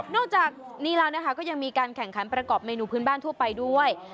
จากนี้แล้วนะคะก็ยังมีการแข่งขันประกอบเมนูพื้นบ้านทั่วไปด้วย